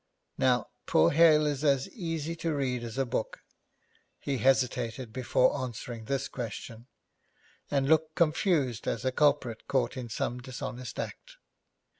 Now poor Hale is as easy to read as a book. He hesitated before answering this question, and looked confused as a culprit caught in some dishonest act.